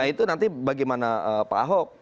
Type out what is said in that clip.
nah itu nanti bagaimana pak ahok